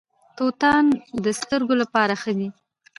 توتان د سترګو لپاره ښه دي.